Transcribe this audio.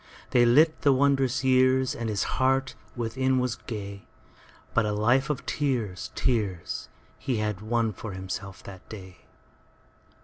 They lit the wondrous yearsAnd his heart within was gay; But a life of tears, tears, He had won for himself that day.